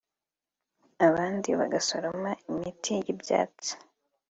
abandi bagasoroma imiti y’ibyatsi